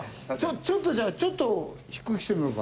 ちょっとじゃあちょっと低くしてみようか。